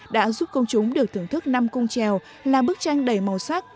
đã giúp công chúng được thưởng thức năm cung trèo là bức tranh đầy màu sắc